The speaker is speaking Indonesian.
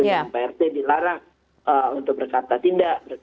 jadi prt dilarang untuk berkata tidak